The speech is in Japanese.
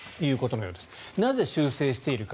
なぜ修正しているか。